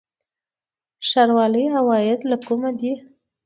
د ښاروالۍ عواید له کومه دي؟